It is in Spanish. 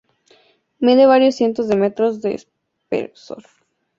Mide varios cientos de metros de espesor.